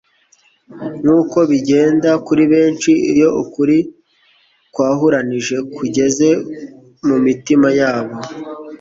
Nkuko bigenda kuri benshi iyo ukuri kwahuranije kugeze mu mitima yabo